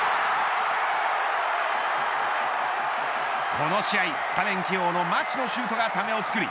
この試合スタメン起用の町野修斗がためを作り